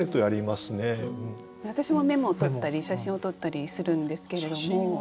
私もメモを取ったり写真を撮ったりするんですけれども。